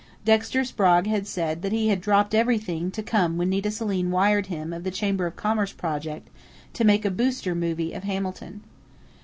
Dexter Sprague had said that he had "dropped everything" to come when Nita Selim wired him of the Chamber of Commerce project to make a "booster" movie of Hamilton.